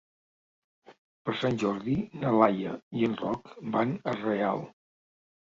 Per Sant Jordi na Laia i en Roc van a Real.